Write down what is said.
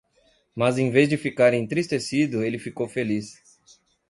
Mas em vez de ficar entristecido, ele ficou feliz.